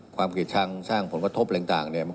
ความผิดชังสร้างผลกระทบแหล่ง